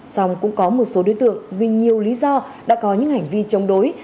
xong cũng có một số đối tượng vì nhiều lý do đã có những hành vi chống đối